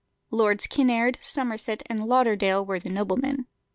Lords Kinnaird, Somerset, and Lauderdale were the noblemen.